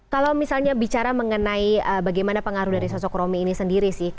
kalau misalnya bicara mengenai bagaimana pengaruh dari sosok romi ini sendiri sih